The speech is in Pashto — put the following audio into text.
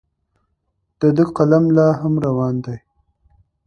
د ده قلم لا هم روان دی.